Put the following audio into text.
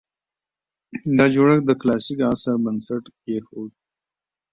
دا جوړښت د کلاسیک عصر بنسټ کېښود